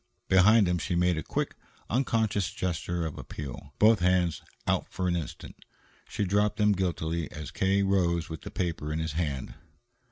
Behind him she made a quick, unconscious gesture of appeal, both hands out for an instant. She dropped them guiltily as K. rose with the paper in his hand.